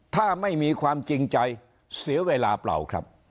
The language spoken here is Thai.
ถ้าไม่มีความจริงใจเสียเวลาเปล่าครับ